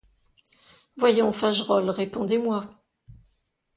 Voyons, Fagerolles, répondez-moi.